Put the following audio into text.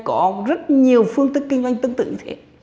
có rất nhiều phương thức kinh doanh tương tự như thế